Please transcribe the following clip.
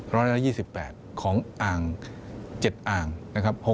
ร้อยละ๒๘ของอ่าง๗อ่างนะครับ